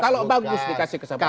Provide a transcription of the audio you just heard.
kalau bagus dikasih kesempatan